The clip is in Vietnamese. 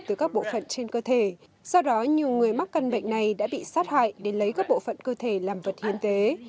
từ các bộ phận trên cơ thể do đó nhiều người mắc căn bệnh này đã bị sát hại để lấy các bộ phận cơ thể làm vật hiến tế